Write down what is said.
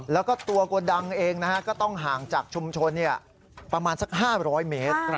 แล้วก็ตัวโกดังเองก็ต้องห่างจากชุมชนประมาณสัก๕๐๐เมตร